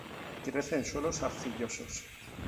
Crece en suelos arcillosos.